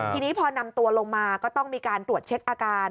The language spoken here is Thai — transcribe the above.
ทีนี้พอนำตัวลงมาก็ต้องมีการตรวจเช็คอาการ